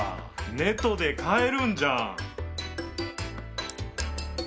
ネットで買えるんじゃん！